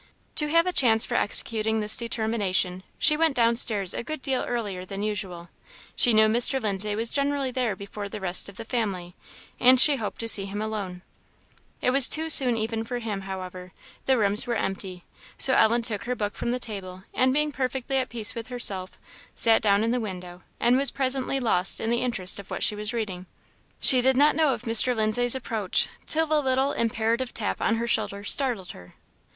To have a chance for executing this determination, she went down stairs a good deal earlier than usual; she knew Mr. Lindsay was generally there before the rest of the family, and she hoped to see him alone. It was too soon even for him, however; the rooms were empty; so Ellen took her book from the table, and being perfectly at peace with herself, sat down in the window, and was presently lost in the interest of what she was reading. She did not know of Mr. Lindsay's approach till a little imperative tap on her shoulder startled her.